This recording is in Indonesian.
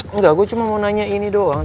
enggak gue cuma mau nanya ini doang